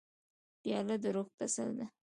پیاله د روح تسل ده.